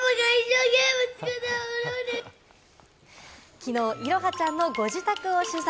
昨日、彩羽ちゃんのご自宅を取材。